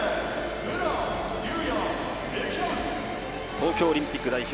東京オリンピック代表